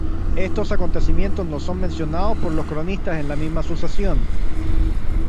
Estos acontecimientos no son mencionados por los cronistas en la misma sucesión.